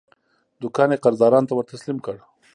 دوکان یې قرضدارانو ته ورتسلیم کړ.